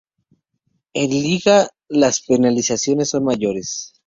En liga las penalizaciones son mayores.